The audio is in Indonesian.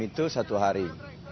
itu satu hari